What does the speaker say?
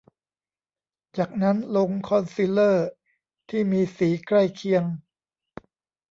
จากนั้นลงคอนซีลเลอร์ที่มีสีใกล้เคียง